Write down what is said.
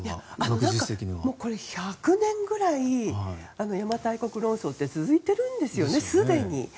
１００年くらい邪馬台国論争って続いてるんですよね、すでに。